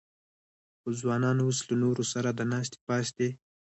خو ځوانان اوس له نورو سره د ناستې پاستې